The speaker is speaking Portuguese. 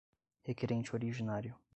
requerente originário.